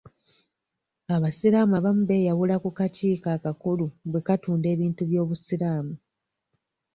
Abasiraamu abamu beyawula ku kakiiko akakulu bwe katunda ebintu by'obusiraamu.